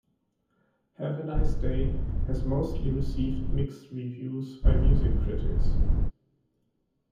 "Have a Nice Day" has mostly received mixed reviews by music critics.